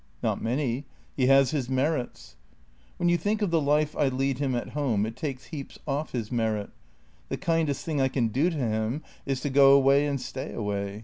" Not many. He has his merits." " When you think of the life I lead him at home it takes heaps off his merit. The kindest thing I can do to him is to go away and stay away.